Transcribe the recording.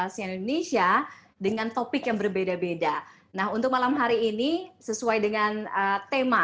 si indonesia dengan topik yang berbeda beda nah untuk malam hari ini sesuai dengan tema